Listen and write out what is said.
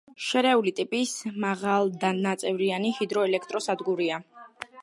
შერეული ტიპის მაღალდაწნევიანი ჰიდროელექტროსადგურია.